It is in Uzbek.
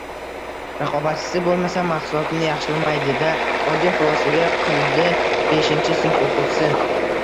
“Raqobatchisi bo‘lmasa maxsulotini yaxshilamaydi-da!” – oddiy xulosaga qildi beshinchi sinf o‘quvchisi.